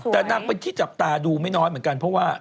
แต่นางเป็นที่จับตาดูไม่น้อยเหมือนกันเพราะว่า